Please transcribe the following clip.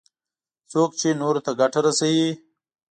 څوک چې نورو ته ګټه رسوي.